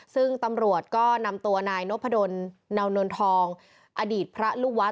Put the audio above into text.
ซึ่งตำรวจก็นำตัวนายนพดลเนานนทองอดีตพระลูกวัด